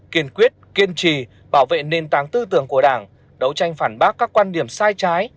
kiên quyết kiên trì bảo vệ nền tảng tư tưởng của đảng đấu tranh phản bác các quan điểm sai trái